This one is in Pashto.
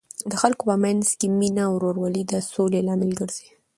د خلکو په منځ کې مینه او ورورولي د سولې لامل ګرځي.